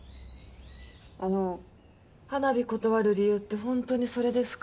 あの花火断る理由って本当にそれですか？